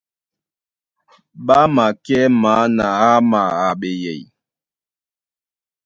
Ɓá makɛ́ maa na áma a ɓeyɛy.